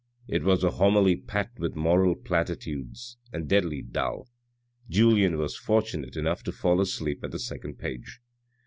It was a homily packed with moral platitudes and deadly dull. Julien was fortunate enough to fall asleep at the second page.